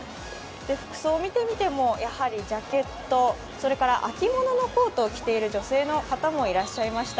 服装を見てみてもと、やはりジャケット、秋物のコートを着ている女性の方もいらっしゃいました。